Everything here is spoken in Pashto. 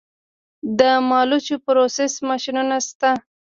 د مالوچو پروسس ماشینونه شته